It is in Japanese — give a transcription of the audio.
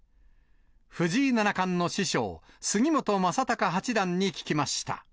藤井七冠の師匠、杉本昌隆八段に聞きました。